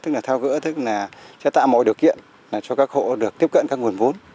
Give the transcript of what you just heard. tức là thao gỡ tức là sẽ tạo mọi điều kiện cho các hộ được tiếp cận các nguồn vốn